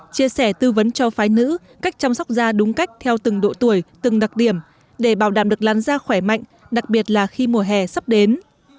chia sẻ tư vấn cho phái nữ cách chăm sóc da đúng cách theo từng độ tuổi từng đặc điểm để bảo đảm được làn da khỏe mạnh đặc biệt là khi mùa hè sắp đến